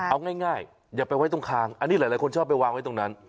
เอาง่ายอย่าไปไว้ตรงคางอันนี้หลายคนชอบไปวางไว้ตรงนั้น